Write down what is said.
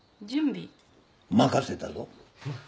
任せたぞ。